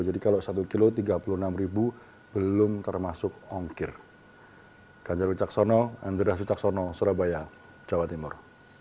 jadi kalau satu kilo tiga puluh enam belum termasuk ongkir